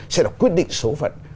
sẽ là quyết định số phận